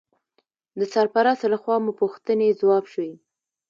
د سرپرست لخوا مو پوښتنې ځواب شوې.